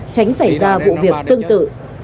tránh xảy ra vụ việc tương tự